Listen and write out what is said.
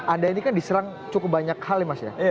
anda ini kan diserang cukup banyak kali mas ya